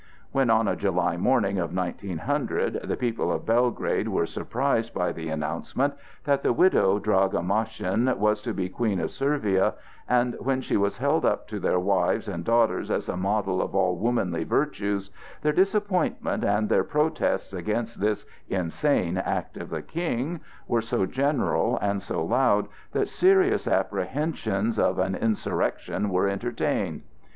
When on a July morning of 1900 the people of Belgrade were surprised by the announcement that the widow Draga Maschin was to be Queen of Servia, and when she was held up to their wives and daughters as a model of all womanly virtues, their disappointment and their protests against this "insane" act of the King were so general and so loud that serious apprehensions of an insurrection were entertained.